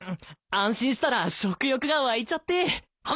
安心したら食欲が湧いちゃって。